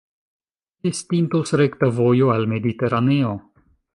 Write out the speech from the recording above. Estintus rekta vojo al Mediteraneo.